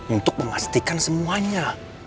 untuk memastikan semuanya